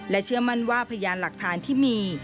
เชื่อมั่นว่าพยานหลักฐานที่มี